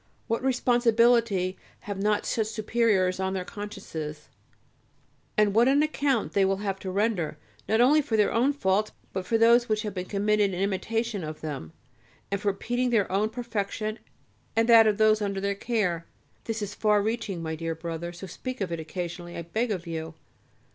What responsibility have not such superiors on their consciences, and what an account they will have to render, not only for their own faults but for those which have been committed in imitation of them, and for impeding their own perfection and that of those under their care. This is far reaching, my dear brother, so speak of it occasionally, I beg of you.